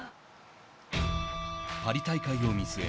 パリ大会を見据え